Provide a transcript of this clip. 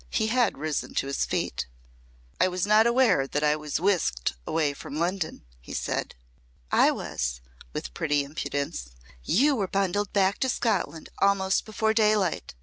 He had risen to his feet. "I was not aware that I was whisked away from London," he said. "I was," with pretty impudence. "You were bundled back to Scotland almost before daylight.